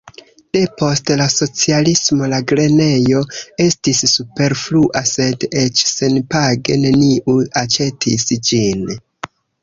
Depost la socialismo la grenejo estis superflua, sed eĉ senpage neniu aĉetis ĝin.